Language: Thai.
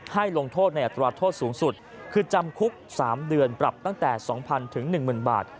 ลงโทษในอัตราโทษสูงสุดคือจำคุก๓เดือนปรับตั้งแต่๒๐๐๑๐๐บาท